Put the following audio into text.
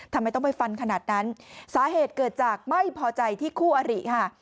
ทำไมต้องไปฟันขนาดนั้นสาเหตุเกิดจากไม่พอใจที่คู่อริค่ะ